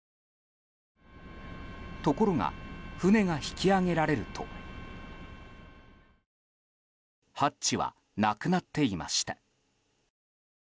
ところが、船が引き揚げられるとハッチはなくなっていました。